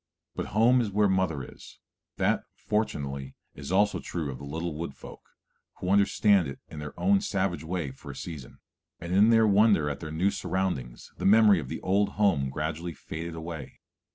But home is where mother is, that, fortunately, is also true of the little Wood Folk, who understand it in their own savage way for a season, and in their wonder at their new surroundings the memory of the old home gradually faded away.